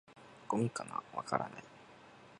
「ゴミかな？」「わからない」